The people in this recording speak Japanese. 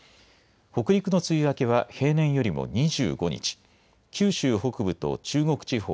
北陸の梅雨明けは平年よりも２５日、九州北部と中国地方